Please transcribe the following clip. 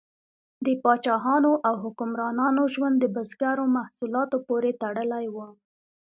د پاچاهانو او حکمرانانو ژوند د بزګرو محصولاتو پورې تړلی و.